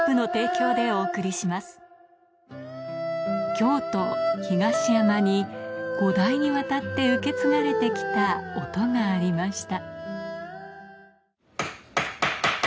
京都・東山に五代にわたって受け継がれてきた音がありました